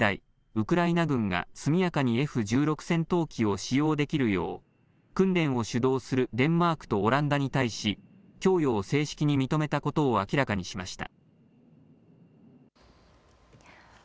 ウクライナ軍が速やかにＦ１６戦闘機を使用できるよう訓練を主導するデンマークとオランダに対し供与を正式に認めたことを明らかにしました。